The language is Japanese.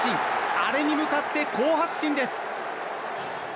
アレに向かって好発進です！